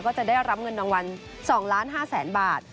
ก็จะได้รับเงินดังวัล๒๕ล้านบาท